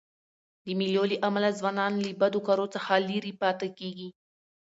د مېلو له امله ځوانان له بدو کارو څخه ليري پاته کېږي.